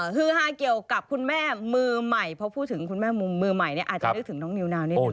ฮือฮากับคุณแม่มือใหม่เพราะพูดถึงคุณแม่มือใหม่นี่อาจจะนึกถึงน้องนิวนาวนี่หนึ่ง